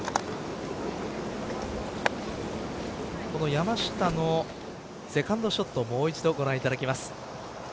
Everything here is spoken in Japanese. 山下のセカンドショットもう一度ご覧いただきます。